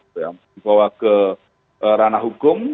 dibawa ke ranah hukum